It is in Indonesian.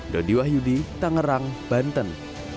daudi wahyudi tangerang banten